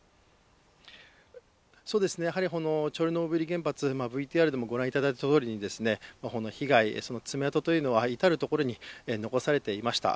チョルノービリ原発ＶＴＲでもご覧いただいたとおりに、被害、その爪痕というのは至る所に残されていました。